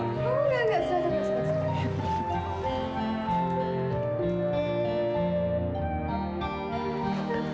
tidak tidak saya tidak